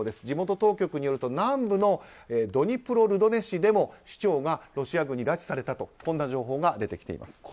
地元当局によると南部のドニプロルドネ市でも市長がロシア軍に拉致されたという情報が出てきています。